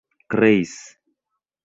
kreis